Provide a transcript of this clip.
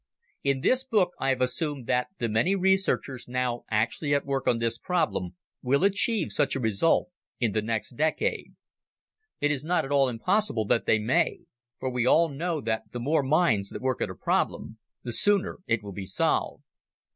In this book I have assumed that the many researchers now actually at work on this problem will achieve such a result in the next decade. It is not at all impossible that they may for we all know that the more minds that work at a problem, the sooner it will be solved.